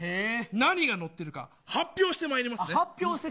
何が乗ってるか発表してまいります。